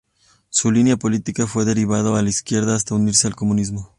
Su línea política fue derivando a la izquierda hasta unirse al comunismo.